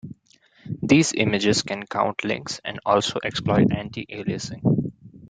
These images can count links and also exploit anti-aliasing.